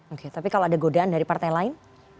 oke tapi kalau ada godaan dari partai lain